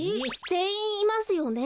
ぜんいんいますよね？